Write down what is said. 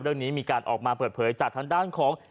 เรื่องนี้มีการออกมาเปิดเผยจากทางด้านของ